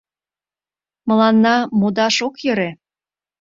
Мыланна модаш ок йӧрӧ.